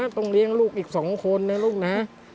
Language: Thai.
ต้องเลี้ยงลูกอีก๒คนนะลูกนะ